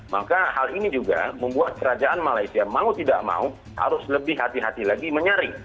maka hal ini juga membuat kerajaan malaysia mau tidak mau harus lebih hati hati lagi menyaring